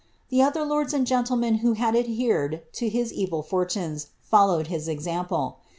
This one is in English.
The other lordi and gentlemen who had adhered to his evil fortunes followed liti eniD* pie.